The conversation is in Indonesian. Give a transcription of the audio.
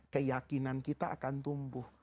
keyakinan kita akan tumbuh